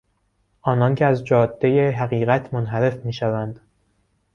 آنانکه از جادهی حقیقت منحرف میشوند